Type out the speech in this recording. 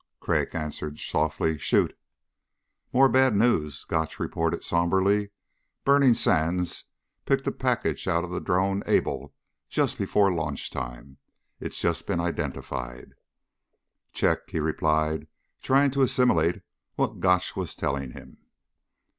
Crag answered softly. "Shoot." "More bad news," Gotch reported somberly. "Burning Sands picked a package out of Drone Able just before launch time. It's just been identified." "Check," he replied, trying to assimilate what Gotch was telling him.